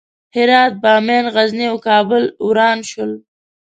هرات، بامیان، غزني او کابل وران شول.